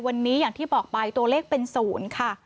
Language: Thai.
วันนี้อย่างที่บอกไปตัวเลขเป็น๐ค่ะ